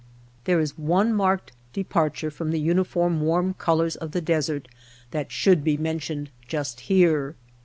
There is one marked departure from the uni form warm colors of the desert that should be mentioned just here.